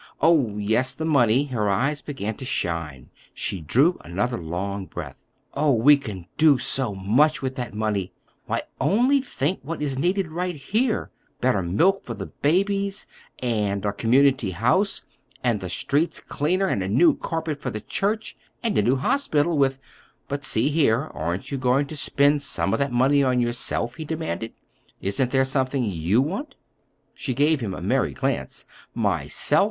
"Oh, yes, the money!" Her eyes began to shine. She drew another long breath. "Oh, we can do so much with that money! Why, only think what is needed right here—better milk for the babies, and a community house, and the streets cleaner, and a new carpet for the church, and a new hospital with—" "But, see here, aren't you going to spend some of that money on yourself?" he demanded. "Isn't there something you want?" She gave him a merry glance. "Myself?